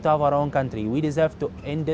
kami berhak untuk memiliki negara sendiri